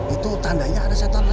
itu tandanya ada setan lewat